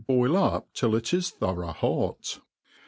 boil up till it is thorough hot.